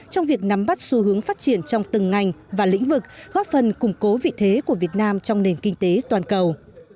trong việc nắm bắt xu hướng phát triển trong từng ngành và lĩnh vực góp phần củng cố vị thế của việt nam trong nền kinh tế toàn cầu